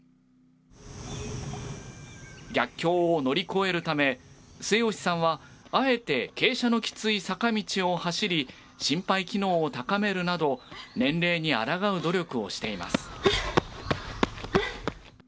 逆境を乗り越えるため、末吉さんはあえて傾斜のきつい坂道を走り心肺機能を高めるなど年齢にあらがう努力をしています。